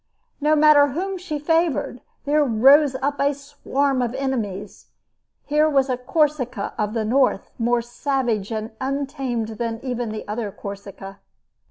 No matter whom she favored, there rose up a swarm of enemies. Here was a Corsica of the north, more savage and untamed than even the other Corsica.